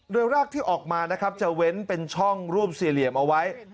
โดยรากที่ออกมานะครับจะเว้นเป็นช่องร่วมสี่เหลี่ยมเอาไว้